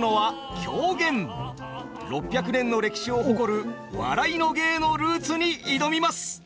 ６００年の歴史を誇る笑いの芸のルーツに挑みます。